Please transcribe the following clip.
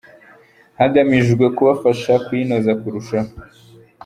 hagamijwe kubafasha kuyinoza kurushaho